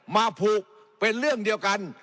มาผูกเป็นเรื่องเดียวกัน